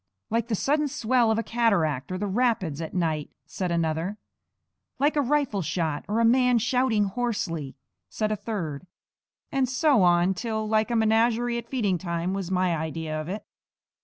"Like the sudden swell of a cataract or the rapids at night," said another. "Like a rifle shot, or a man shouting hoarsely," said a third; and so on till like a menagerie at feeding time was my idea of it.